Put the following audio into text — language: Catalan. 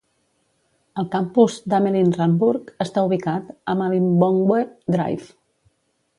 El campus Damelin Randburg està ubicat a Malibongwe Drive.